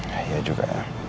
ya ya juga